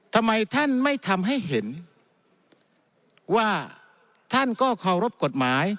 ทำไมท่านไม่ทำให้เห็นว่าท่านก็เคารพกฎหมาย